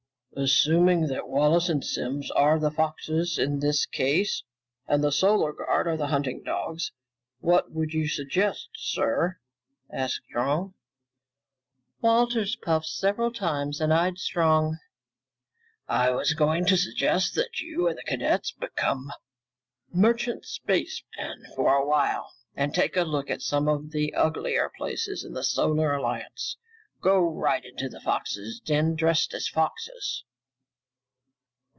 "Assuming that Wallace and Simms are the foxes in this case and the Solar Guard the hunting dogs, what would you suggest, sir?" asked Strong. Walters puffed several times and eyed Strong. "I was going to suggest that you and the cadets become merchant spacemen for a while and take a look at some of the uglier places of the Solar Alliance. Go right into the foxes' den dressed as foxes!"